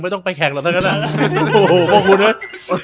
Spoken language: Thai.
๙๐๑ไม่ต้องไปแทงหรอทั้งสักหน้า